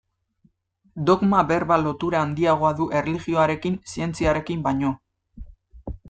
Dogma berba lotura handiagoa du erlijioarekin zientziarekin baino.